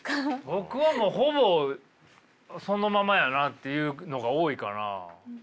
僕はほぼそのままやなっていうのが多いかな。